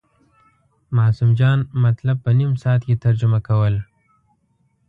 معصوم جان مطلب په نیم ساعت کې ترجمه کول.